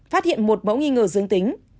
phát hiện một mẫu nghi ngờ dương tính